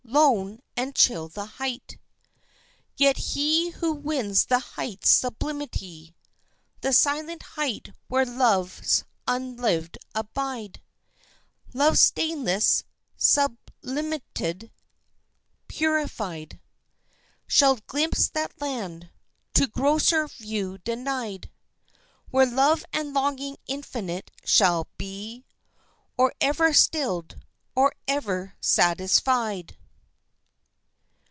Lone and chill the height! Yet he who wins the height's sublimity The silent height where loves unlived abide, Loves stainless, sublimated, purified Shall glimpse that land, to grosser view denied, Where love and longing infinite shall be Or ever stilled or ever satisfied.